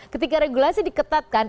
ketika regulasi diketatkan